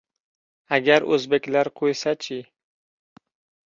Agar oʻzbeklar qoʻysa-chi?